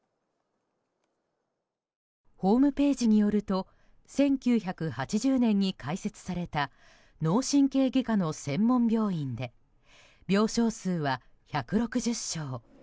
ホームページによると１９８０年に開設された脳神経外科の専門病院で病床数は１６０床。